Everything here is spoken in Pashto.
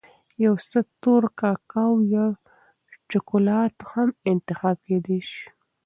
یو څه تور کاکاو یا شکولات هم انتخاب کېدای شي.